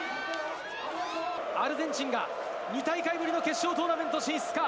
アルゼンチンが２大会ぶりの決勝トーナメント進出か？